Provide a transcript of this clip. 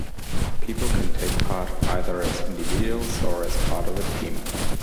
People can take part either as individuals or as part of a team.